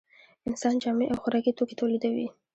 انسان جامې او خوراکي توکي تولیدوي